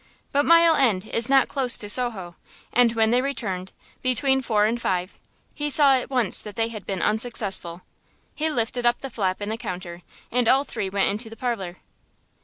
But Mile End is not close to Soho; and when they returned, between four and five, he saw at once that they had been unsuccessful. He lifted up the flap in the counter and all three went into the parlour.